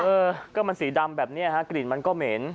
เออก็มันสีดำแบบนี้ฮะกลิ่นมันก็เหม็น